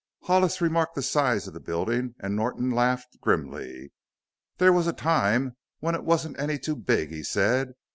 Hollis remarked the size of the building and Norton laughed grimly. "There was a time when it wasn't any too big," he said.